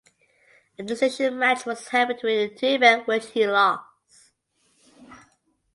A decision match was held between the two men which he lost.